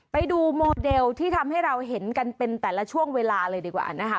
ไปดูโมเดลที่ทำให้เราเห็นกันเป็นแต่ละช่วงเวลาเลยดีกว่านะคะ